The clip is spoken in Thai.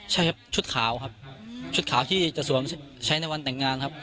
ใช่ครับชุดขาวครับชุดขาวที่จะสวมใช้ในวันแต่งงานครับ